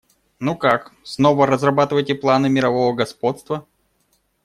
Ну как, снова разрабатываете планы мирового господства?